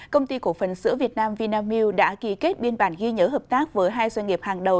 công ty cổ phần sữa việt nam vinamilk đã ký kết biên bản ghi nhớ hợp tác với hai doanh nghiệp hàng đầu